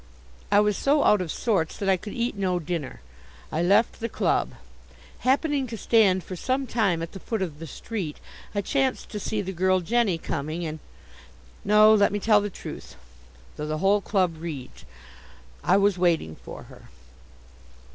I was so out of sorts that I could eat no dinner. I left the club. Happening to stand for some time at the foot of the street, I chanced to see the girl Jenny coming, and . No; let me tell the truth, though the whole club reads; I was waiting for her.